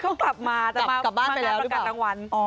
เขากลับมาแต่มางานประกาศรางวัล